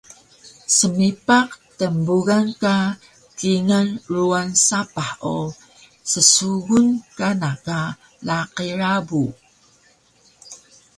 Smipaq tnbugan ka kingal ruwan sapah o ssugun kana ka laqi rabu